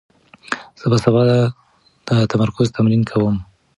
زه به سبا د تمرکز تمرین کوم.